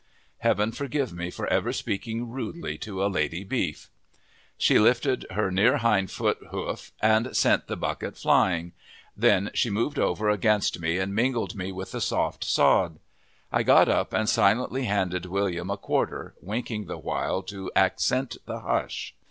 Heaven forgive me for ever speaking rudely to a lady beef! She lifted her near hind hoof and sent the bucket flying. Then she moved over against me and mingled me with the soft sod. I got up and silently handed William a quarter, winking the while to accent the hush.